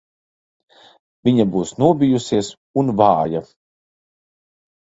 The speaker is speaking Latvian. Viņa būs nobijusies un vāja.